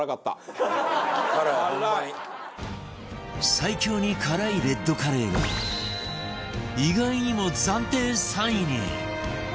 最強に辛いレッドカレーが意外にも暫定３位に